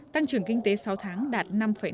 tăng trưởng kinh tế sáu tháng đạt năm năm mươi hai